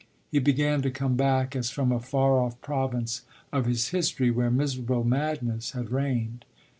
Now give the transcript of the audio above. He began to come back as from a far off province of his history where miserable madness had reigned.